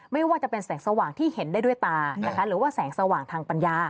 ไม่ว่าจะเป็นแสงสว่างที่เห็นได้ด้วยตานะคะหรือว่าแสงสว่างทางปัญญา